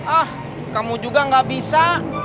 ah kamu juga gak bisa